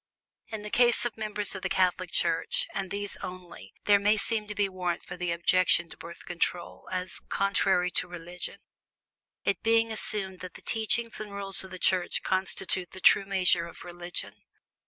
In the case of members of the Catholic Church and these only there may seem to be warrant for the objection to Birth Control as "contrary to religion," it being assumed that the teachings and rules of the Church constitute the true measure of "religion."